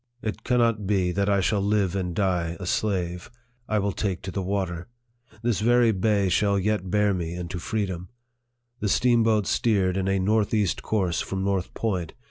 It cannot be that I shall live and die a slave. I will take to the water. This very bay shall yet bear me into freedom. The steamboats steered in a north east course from North Point.